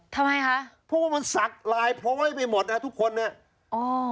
ทำไมคะเพราะว่ามันสักลายพร้อยไปหมดอ่ะทุกคนเนี้ยอ๋อ